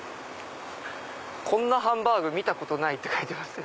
「こんなハンバーグ見たことない」って書いてますよ。